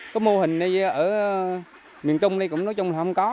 có mô hình ở miền trung đây cũng nói chung không có